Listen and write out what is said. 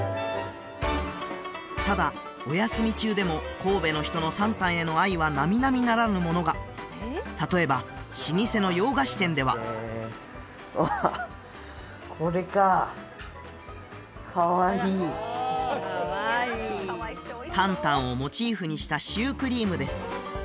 ただお休み中でも神戸の人の旦旦への愛はなみなみならぬものが例えば老舗の洋菓子店ではわあこれかかわいい旦旦をモチーフにしたシュークリームです